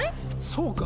そうか！